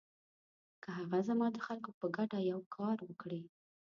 که هغه زما د خلکو په ګټه یو کار وکړي.